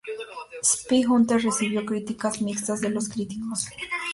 Spy Hunter recibió críticas mixtas de los críticos.